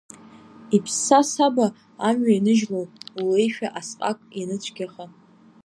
Иԥсса асаба, амҩа ианыжьлоу, улеишәа асҟак ианыцәгьаха.